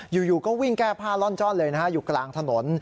อยู่ก็วิ่งแก้ผ้าล่อนจ้อนเลยนะฮะอยู่กลางถนน